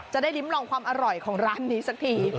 จะได้ลิ้มลองความอร่อยของร้านนี้สักที